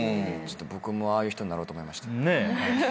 僕もああいう人になろうと思いました。